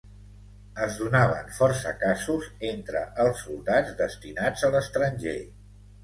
Es donaven força casos entre els soldats destinats a l'estranger.